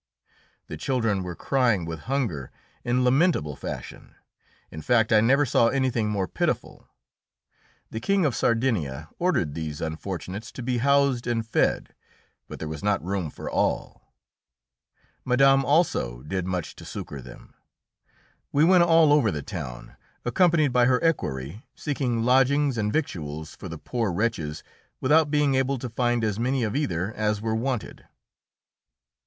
The children were crying with hunger in lamentable fashion. In fact, I never saw anything more pitiful. The King of Sardinia ordered these unfortunates to be housed and fed, but there was not room for all. Madame also did much to succour them; we went all over the town, accompanied by her equerry, seeking lodgings and victuals for the poor wretches, without being able to find as many of either as were wanted.